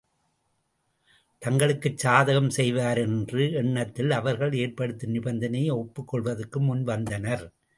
அதைக் கருதி, தங்களுக்குச் சாதகம் செய்வார் என்ற எண்ணத்தில், அவர்கள் ஏற்படுத்தும் நிபந்தனையை ஒப்புக் கொள்வதற்கு முன் வந்தனர்.